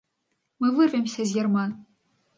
Мы вырвемся з ярма!